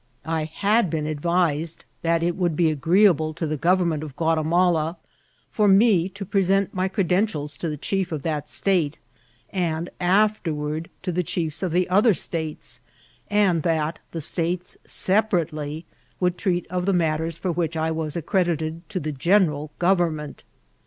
I had been advised that it would be agreeable to the government of Ouatimala for me to pres^it my creden tials to the chief of that state, and afterward to the chiefisi of the other states, and that the states separately would treat of the matters for which I was accredited to the general government.